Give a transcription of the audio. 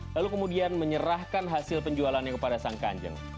lalu kemudian menyerahkan hasil penjualannya kepada sang kanjeng